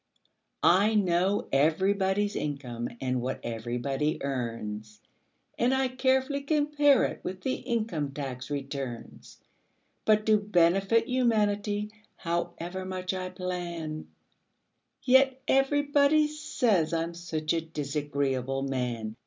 I know everybody's income and what everybody earns, And I carefully compare it with the income tax returns; But to benefit humanity, however much I plan, Yet everybody says I'm such a disagreeable man!